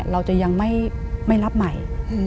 เราจะยังไม่รับใหม่